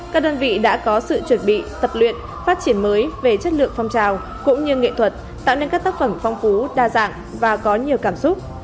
các đơn vị đã có sự chuẩn bị tập luyện phát triển mới về chất lượng phong trào cũng như nghệ thuật tạo nên các tác phẩm phong phú đa dạng và có nhiều cảm xúc